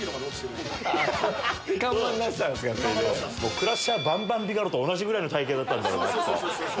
クラッシャー・バンバン・ビガロと同じぐらいの体形だったんだろきっと。